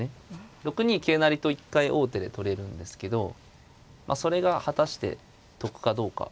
６二桂成と一回王手で取れるんですけどそれが果たして得かどうか。